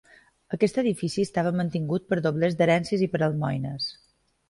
Aquest edifici estava mantingut per doblers d'herències i per almoines.